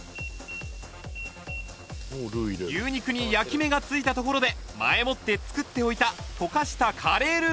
牛肉に焼き目が付いたところで前もって作っておいた溶かしたカレールーを投入